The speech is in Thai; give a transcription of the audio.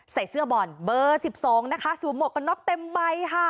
ใส่เสื้อบ่อนเบอร์สิบสองนะคะสูบหมวกกับนอกเต็มใบค่ะ